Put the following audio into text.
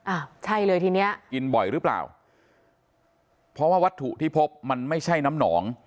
อ่ะใช่เลยทีเนี้ยกินบ่อยหรือเปล่าเพราะว่าวัตถุที่พบมันไม่ใช่น้ำหนอง